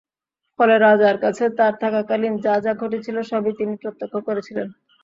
ফলে রাজার কাছে তাঁর থাকাকালীন যা যা ঘটছিল সবই তিনি প্রত্যক্ষ করছিলেন।